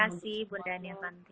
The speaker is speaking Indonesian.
terima kasih bunda nia fanti